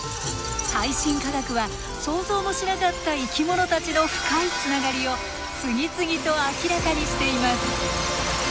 最新科学は想像もしなかった生き物たちの深いつながりを次々と明らかにしています。